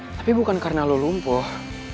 tapi bukan karena lo lumpuh